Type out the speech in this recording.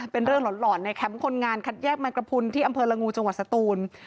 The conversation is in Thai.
เป็นเรื่องหล่อนในแคมป์คนงานคัดแยกมันกระพุนที่อำเภอละงูจังหวัดสตูน